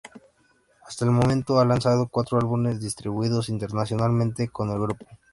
Hasta el momento, ha lanzado cuatro álbumes distribuidos internacionalmente con el grupo.